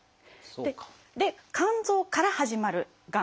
で肝臓から始まるがん